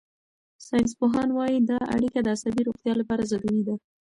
ساینسپوهان وايي دا اړیکه د عصبي روغتیا لپاره ضروري ده.